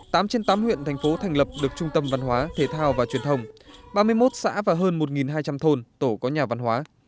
tám trên tám huyện thành phố thành lập được trung tâm văn hóa thể thao và truyền thông ba mươi một xã và hơn một hai trăm linh thôn tổ có nhà văn hóa